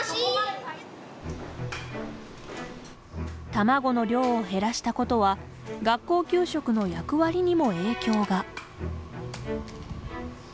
卵の量を減らしたことは学校給食の役割にも影響が。